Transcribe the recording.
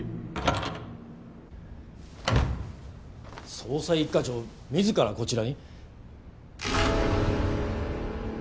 捜査一課長自らこちらに？